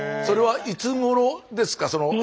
それはいつごろですか？